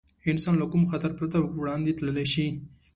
انسان له کوم خطر پرته وړاندې تللی شي.